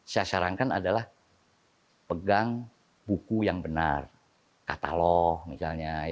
saya sarankan adalah pegang buku yang benar katalog misalnya